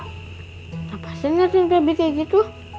kenapa lihat pebi seperti itu